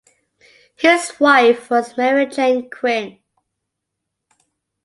His wife was Mary Jane Quinn.